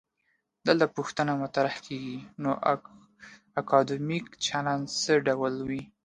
دلته پوښتنه مطرح کيږي: نو اکادمیک چلند څه ډول وي؟